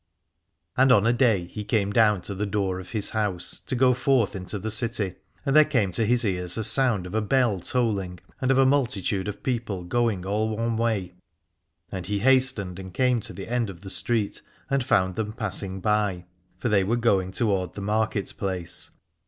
And on a day he came down to the door of his house, to go forth into the city : and there came to his ears a sound of a bell tolling and of a multitude of people going all one way. And he hastened and came to the end of the street and found them pass ing by; for they were going toward the market place.